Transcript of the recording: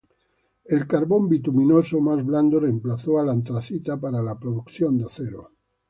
El carbón bituminoso más blando reemplazó al antracita para la producción de acero.